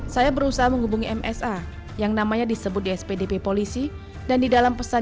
saya berusaha menghubungi msa yang namanya disebut di spdp polisi dan di dalam pesan